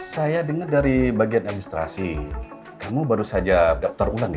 saya dengar dari bagian administrasi kamu baru saja daftar ulang nih